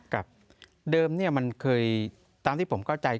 ครับเดิมมันเคยตามที่ผมเข้าใจ